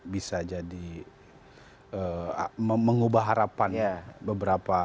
bisa jadi mengubah harapan beberapa